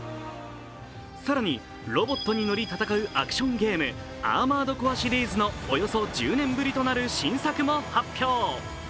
更にロボットに乗り戦うアクションゲーム「ＡＲＭＯＲＥＤＣＯＲＥ」シリーズのおよそ１０年ぶりとなる新作も発表。